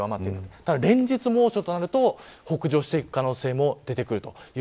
連日猛暑となると、北上していく可能性も出てきます。